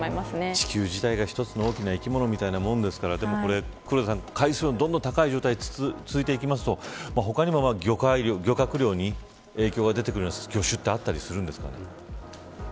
地球自体が大きな生き物みたいなものですから海水温が高い状態が続くと他にも漁獲量に影響が出てくる魚種であったりはあるんですか。